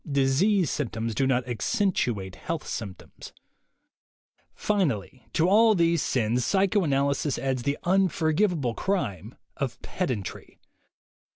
Disease symptoms do not "accentuate" health symptoms. Finally, to all these sins, psychoanalysis adds the unforgivable crime of pedantry.